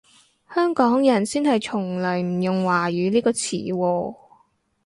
香港人先係從來唔用華語呢個詞喎